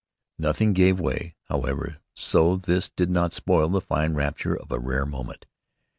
Nothing gave way, however, so this did not spoil the fine rapture of a rare moment.